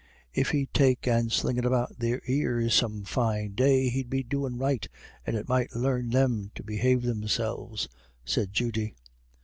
"If he'd take and sling it about their ears some fine day he'd be doin' right, and it might larn them to behave themselves," said Judy.